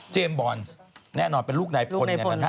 บอลแน่นอนเป็นลูกนายพลเนี่ยนะฮะ